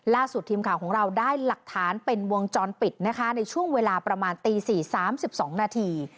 ล่าสุดทีมข่าวของเราได้หลักฐานเป็นวงจรปิดนะคะในช่วงเวลาประมาณตี๔๓๒นาที